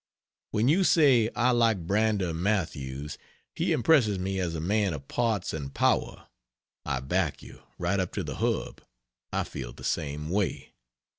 When you say "I like Brander Matthews; he impresses me as a man of parts and power," I back you, right up to the hub I feel the same way